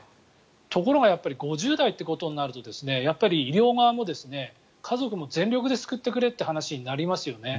ところが、やっぱり５０代ということになるとやっぱり医療側も家族も全力で救ってくれって話になりますよね。